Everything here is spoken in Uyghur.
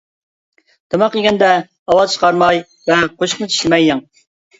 تاماق يېگەندە ئاۋاز چىقارماي ۋە قوشۇقنى چىشلىمەي يەڭ.